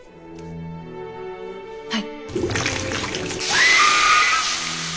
はい。